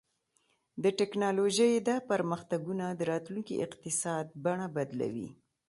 د ټیکنالوژۍ دا پرمختګونه د راتلونکي اقتصاد بڼه بدلوي.